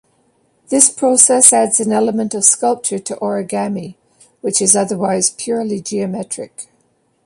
This process adds an element of sculpture to origami, which is otherwise purely geometric.